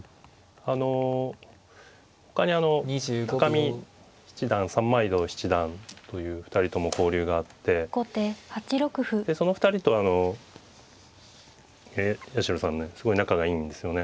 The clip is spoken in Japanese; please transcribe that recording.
あのほかに見七段三枚堂七段という２人とも交流があってその２人と八代さんねすごい仲がいいんですよね。